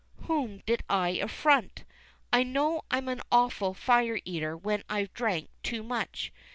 Whom did I affront? I know I'm an awful fire eater when I've drank too much.